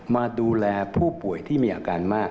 มาดูแลผู้ป่วยที่มีอาการมาก